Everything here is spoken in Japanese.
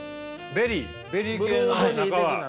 ベリー系の中は。